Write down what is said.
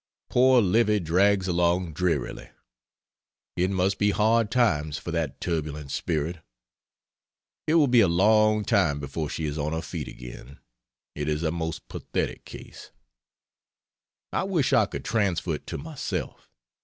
Poor Livy drags along drearily. It must be hard times for that turbulent spirit. It will be a long time before she is on her feet again. It is a most pathetic case. I wish I could transfer it to myself.